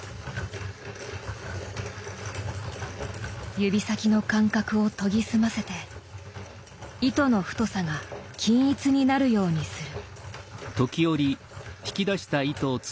指先の感覚を研ぎ澄ませて糸の太さが均一になるようにする。